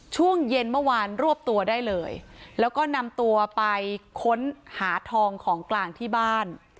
ช่วงเย็นเมื่อวานรวบตัวได้เลยแล้วก็นำตัวไปค้นหาทองของกลางที่บ้าน